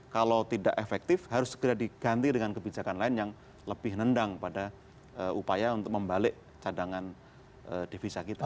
kalau tidak efektif harus segera diganti dengan kebijakan lain yang lebih nendang pada upaya untuk membalik cadangan devisa kita